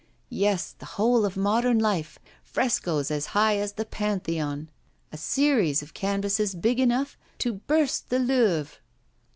Yes! the whole of modern life! Frescoes as high as the Pantheon! A series of canvases big enough to burst the Louvre!